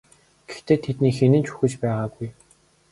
Гэхдээ тэдний хэн нь ч үхэж байгаагүй.